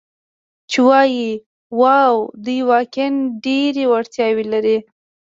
چې ووایي: 'واو، دوی واقعاً ډېرې وړتیاوې لري.